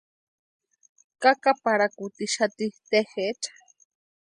Kakaparhakutixati tejecha.